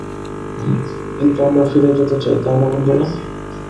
কিন্তু আমরা ফিরে যেতে চাই, তাই না বন্ধুরা?